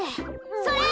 それ！